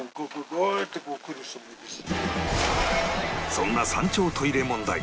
そんな山頂トイレ問題